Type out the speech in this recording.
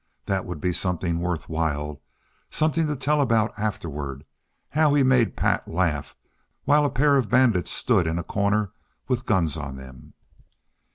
That would be something worthwhile something to tell about afterward; how he made Pat laugh while a pair of bandits stood in a corner with guns on them!